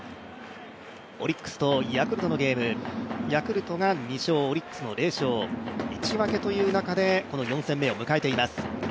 オリックスとヤクルトのゲーム、ヤクルトの２勝、オリックスの０勝１分けという中で４戦目を迎えています。